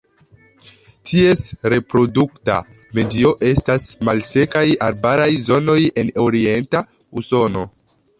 Ties reprodukta medio estas malsekaj arbaraj zonoj en orienta Usono.